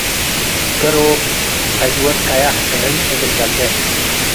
ገሮብ፡ ዐጅወት ቀየሕ ጥዕም እግል በሌዕ